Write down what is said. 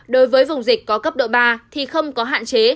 đối với vùng dịch có cấp độ ba thì không có hạn chế